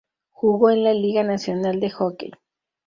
Jugó en la Liga Nacional de Hockey.